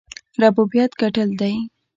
ربوبیت ګټل دی.